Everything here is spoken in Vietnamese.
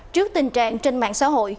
trước tình trạng trên mạng xã hội